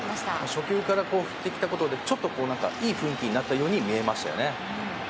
初級から振ってきたことでいい雰囲気になったように見えましたね。